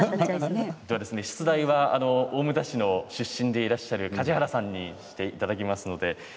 出題は大牟田市出身でいらっしゃる梶原さんにしていただきます。